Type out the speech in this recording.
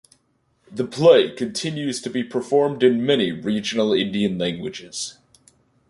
The play continues to be performed in many regional Indian languages.